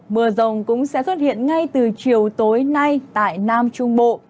mưa rồng cũng sẽ xuất hiện ngay từ chiều tối nay tại nam trung bộ